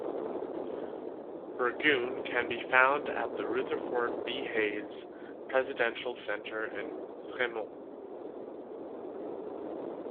Burgoon can be found at the Rutherford B. Hayes Presidential Center in Fremont.